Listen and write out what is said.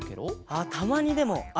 あったまにでもある。